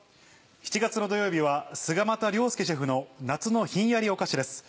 ７月の土曜日は菅又亮輔シェフの夏のひんやりお菓子です。